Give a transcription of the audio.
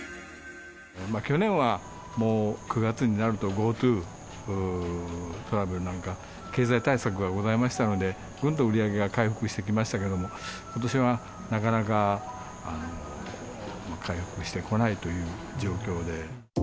去年はもう９月になるとＧｏＴｏトラベルなんか、経済対策がございましたので、ぐんと売り上げが回復してきましたけれども、ことしはなかなか回復してこないという状況で。